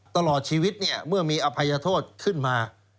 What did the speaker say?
ตลอดชีวิตเนี่ยเมื่อมีอภัยโทษขึ้นมา